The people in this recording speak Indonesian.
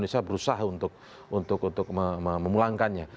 dan indonesia berusaha untuk memulangkannya